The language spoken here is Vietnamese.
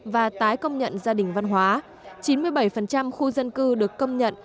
và tái công nhận gia đình văn hóa chín mươi bảy khu dân cư được công nhận